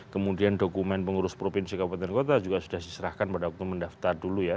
kemudian dokumen pengurus provinsi kabupaten kota juga sudah diserahkan pada waktu mendaftar dulu ya